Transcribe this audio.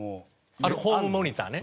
ホームモニターね。